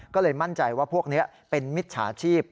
ก็เลยมั่นใจว่าพวกนี้เป็นมิจฉาชีพ